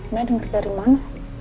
mbak denger dari mana